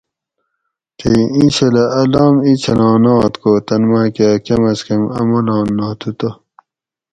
تے اینچھلہ ا لام اینچھلاں نات کو تن ماۤکہ کم از کم اۤ ملان ناتھو تہ